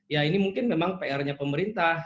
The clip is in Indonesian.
ya ini mungkin memang pr nya pemerintah